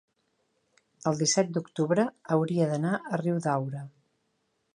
el disset d'octubre hauria d'anar a Riudaura.